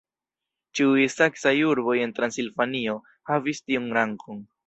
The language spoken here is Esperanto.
Ĉiuj saksaj urboj en Transilvanio havis tiun rangon.